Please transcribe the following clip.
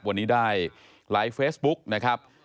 วันนี้ได้ไลฟ์เฟซบุ๊กนะครับ